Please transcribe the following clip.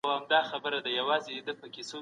آيا اسلام لږکيو ته حقوق نه دي ورکړي؟